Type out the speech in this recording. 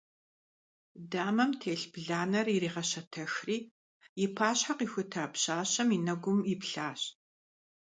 Дамэм телъ бланэр иригъэщэтэхри, и пащхьэ къихута пщащэм и нэгум иплъащ.